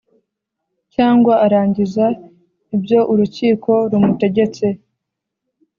cyangwa arangiza ibyo urukiko rumutegetse